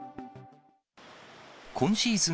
今シーズン